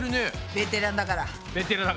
ベテランだからね。